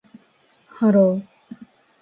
Hello